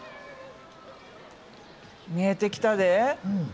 見えてきたで。